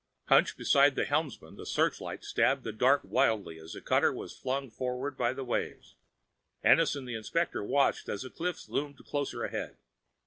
Hunched beside the helmsman, the searchlight stabbing the dark wildly as the cutter was flung forward by the waves, Ennis and the inspector watched as the cliffs loomed closer ahead.